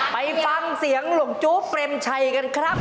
ไปฟังเสียงหลงจู๊เปรมชัยกันครับ